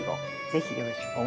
ぜひよろしく。